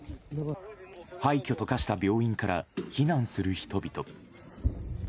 廃虚と化した病院から避難する人々。